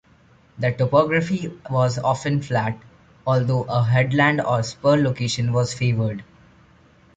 The topography was often flat, although a headland or spur location was favoured.